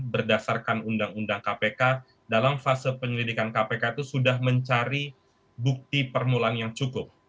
berdasarkan undang undang kpk dalam fase penyelidikan kpk itu sudah mencari bukti permulaan yang cukup